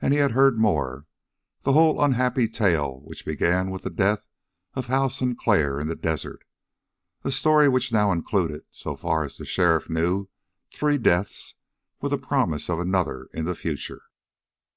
And he had heard more the whole unhappy tale which began with the death of Hal Sinclair in the desert, a story which now included, so far as the sheriff knew, three deaths, with a promise of another in the future.